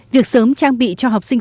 việc sớm trang bị cho học sinh